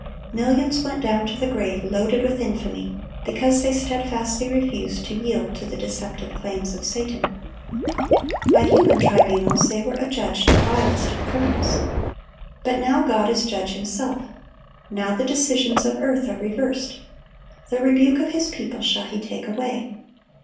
Millions went down to the grave loaded with infamy, because they steadfastly refused to yield to the deceptive claims of Satan. By human tribunals they were adjudged the vilest of criminals. But now "God is judge Himself."(1127) Now the decisions of earth are reversed. "The rebuke of His people shall He take away."